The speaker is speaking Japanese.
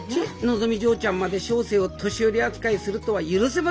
のぞみ嬢ちゃんまで小生を年寄り扱いするとは許せません！